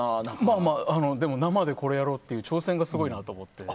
生でこれをやろうという挑戦がすごいなと思って。